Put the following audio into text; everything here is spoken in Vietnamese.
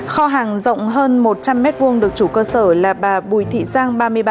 kho hàng rộng hơn một trăm linh m hai được chủ cơ sở là bà bùi thị giang ba mươi ba